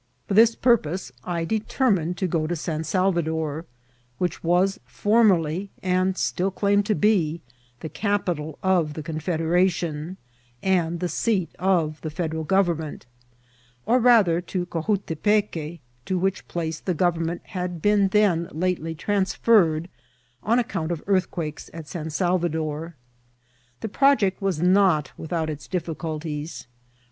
For this purpose I determined to go to San Salvador, which was formerly, and still claimed to be, the capital of the Confederation and the seat of the Federal Oov* enunent, or, rather, to Cojutepeque, to whi<^ place the government had been then lately transferred, on account of earthquakes at San Salvador. This project was not without its difficulties.